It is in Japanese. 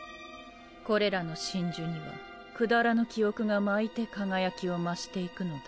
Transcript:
これらの真珠には下らぬ記憶が巻いて輝きを増していくのだ。